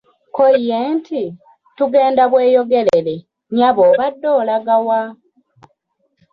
Kko ye nti, "Tugenda Bweyogerere, nnyabo obadde olaga wa?"